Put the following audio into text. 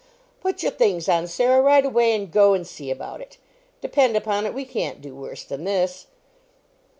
"Put your things on, Sarah, right away, and go and see about it. Depend upon it, we can't do worse than this."